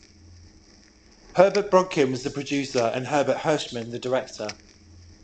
Herbert Brodkin was the producer and Herbert Hirschman the director.